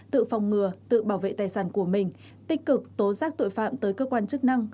tự phòng ngừa tự bảo vệ tài sản của mình tích cực tố giác tội phạm tới cơ quan chức năng